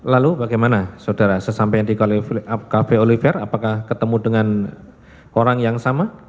lalu bagaimana saudara sesampai di cafe oliver apakah ketemu dengan orang yang sama